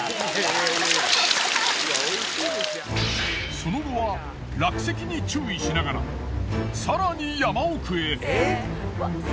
その後は落石に注意しながら更に山奥へ。